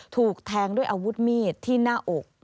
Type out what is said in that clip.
ถูกแทงด้วยอาวุธมีดที่หน้าอก